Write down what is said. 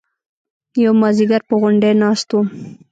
يو مازديگر پر غونډۍ ناست وم.